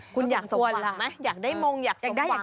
คุณอยากสมหวังไหมอยากได้มงอยากได้หวัง